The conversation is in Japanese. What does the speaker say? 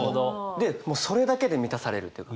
でそれだけで満たされるというか。